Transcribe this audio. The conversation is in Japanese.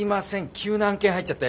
急な案件入っちゃって。